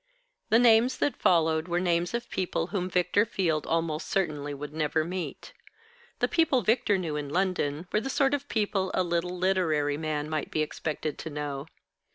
The names that followed were names of people whom Victor Field almost certainly would never meet. The people Victor knew in London were the sort of people a little literary man might be expected to know.